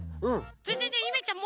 それでねゆめちゃん